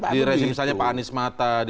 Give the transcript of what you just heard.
di rezim misalnya pak anies mata